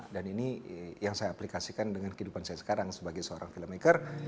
dan ini yang saya aplikasikan dengan kehidupan saya sekarang sebagai seorang filmmaker